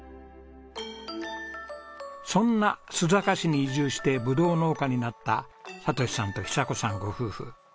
そんな須坂市に移住してぶどう農家になった哲さんと久子さんご夫婦。